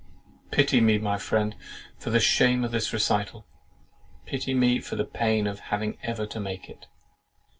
Pity me, my friend, for the shame of this recital. Pity me for the pain of having ever had to make it!